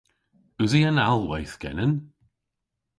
Usi an alhwedh genen?